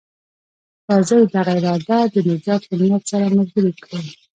راځئ دغه اراده د نجات له نيت سره ملګرې کړو.